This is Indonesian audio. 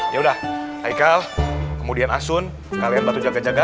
yaudah hai kal kemudian asun kalian batu jaga jaga